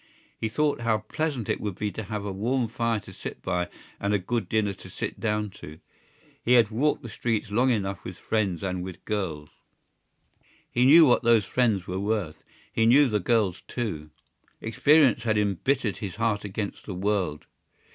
He thought how pleasant it would be to have a warm fire to sit by and a good dinner to sit down to. He had walked the streets long enough with friends and with girls. He knew what those friends were worth: he knew the girls too. Experience had embittered his heart against the world.